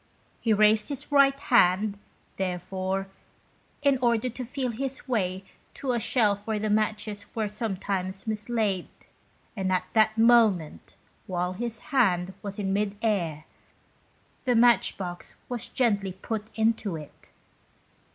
He raised his right hand, therefore, in order to feel his way to a shelf where the matches were sometimes mislaid, and at that moment, whilst his hand was in mid air, the matchbox was gently put into it